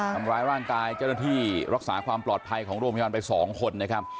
ทำร้ายร่างกายเจ้าหน้าที่รักษาความปลอดภัยของโรงพยาบาลไป๒คนนะครับ